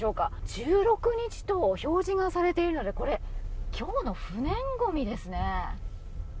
１６日と表示がされているのでこれ今日の不燃ごみですね。